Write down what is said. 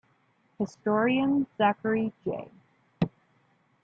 Historian Zachary J.